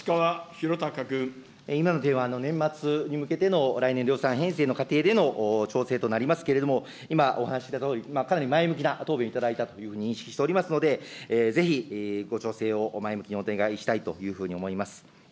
今の提案、年末に向けての、来年度予算編成の過程での調整となりますけれども、今お話ししたとおり、かなり前向きな答弁をいただいたというふうに認識しておりますので、ぜひご調整を前向きにお願いしたいというふうに思います。